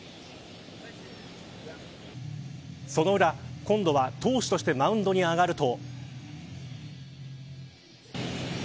その裏、今度は投手としてマウンドに上がると。